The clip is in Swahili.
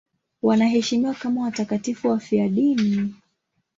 Wanaheshimiwa kama watakatifu wafiadini.